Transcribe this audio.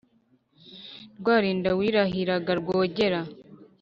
Rwalinda wirahiraga Rwogera